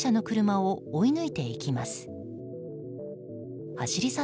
撮影者の車を追い抜いていきます。